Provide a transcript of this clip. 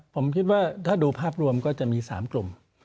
ผมคิดว่าถ้าดูภาพรวมก็จะมี๓กลุ่ม